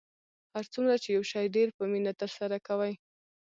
هر څومره چې یو شی ډیر په مینه ترسره کوئ